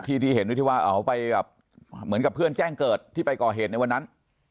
ที่ที่เห็นด้วยที่ว่าเอาไปแบบเหมือนกับเพื่อนแจ้งเกิดที่ไปก่อเหตุในวันนั้น